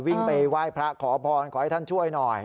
วิ่งไปไหว้พระขอพรขอให้ท่านช่วยหน่อย